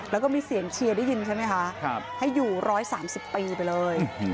แล้วก็มีเสียงเชียร์ได้ยินใช่ไหมคะให้อยู่๑๓๐ปีไปเลย